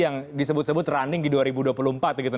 yang disebut sebut running di dua ribu dua puluh empat begitu